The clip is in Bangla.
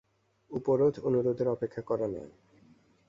উপরোধ-অনুরোধের অপেক্ষা করা নয়।